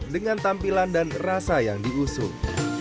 dengan tampilan dan rasa yang diusung